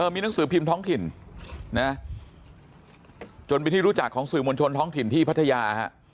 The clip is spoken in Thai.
มีหนังสือพิมพ์ท้องถิ่นนะจนเป็นที่รู้จักของสื่อมวลชนท้องถิ่นที่พัทยา